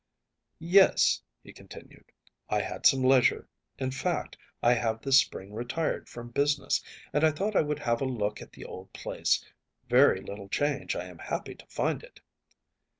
‚ÄúYes,‚ÄĚ he continued, “I had some leisure; in fact, I have this spring retired from business; and I thought I would have a look at the old place. Very little changed I am happy to find it.